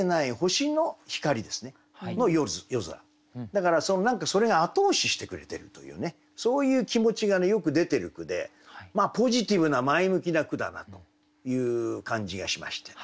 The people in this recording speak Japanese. だから何かそれが後押ししてくれてるというねそういう気持ちがよく出てる句でポジティブな前向きな句だなという感じがしました。